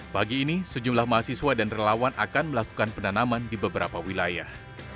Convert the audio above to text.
pagi ini sejumlah mahasiswa dan relawan akan melakukan penanaman di beberapa wilayah